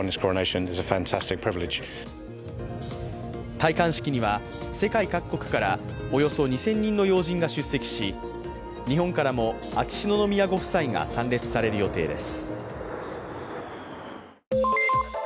戴冠式には世界各国からおよそ２０００人の要人が出席し、日本からも秋篠宮ご夫妻が参列される予定です。